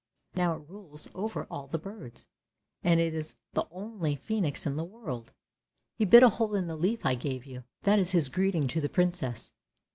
Now it rules over all the birds, and it is the only phcenix in the world. He bit a hole in the leaf I gave you, that is his greeting to the Princess."